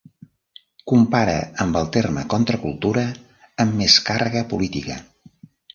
Compara amb el terme contracultura, amb més càrrega política.